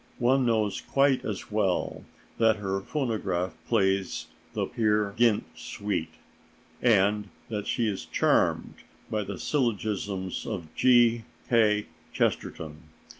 One knows quite as well that her phonograph plays the "Peer Gynt" suite, and that she is charmed by the syllogisms of G. K. Chesterton.